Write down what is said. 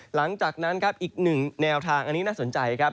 หลังจากนั้นครับอีกหนึ่งแนวทางอันนี้น่าสนใจครับ